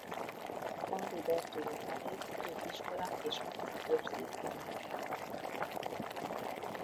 Henri Berthelot nevét több iskola és utca őrzi Romániában.